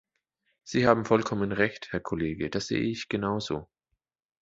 Sie haben vollkommen Recht, Herr Kollege, das sehe ich genauso.